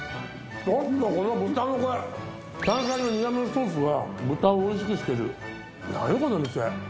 ちょっとこの豚のこれ山菜の苦みのソースは豚をおいしくしてる何この店！？